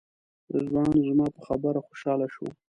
رضوان زما په خبره خوشاله شو.